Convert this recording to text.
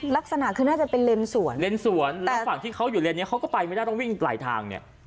ลักษณะคือน่าจะเป็นเลนสวนเลนสวนแล้วฝั่งที่เขาอยู่เลนนี้เขาก็ไปไม่ได้ต้องวิ่งปลายทางเนี่ย